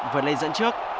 vừa lây dẫn trước